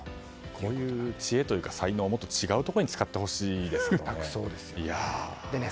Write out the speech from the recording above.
そういう知恵とか才能をもっと違うところに使ってほしいですけどね。